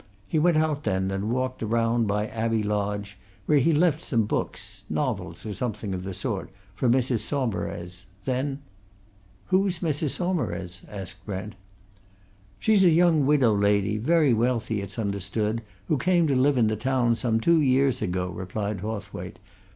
He went out then and walked round by Abbey Lodge, where he left some books novels, or something of the sort for Mrs. Saumarez. Then " "Who's Mrs. Saumarez?" asked Brent. "She's a young widow lady, very wealthy, it's understood, who came to live in the town some two years ago," replied Hawthwaite.